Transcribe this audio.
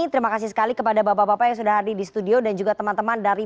terima kasih sekali kepada bapak bapak yang sudah hadir di studio dan juga teman teman dari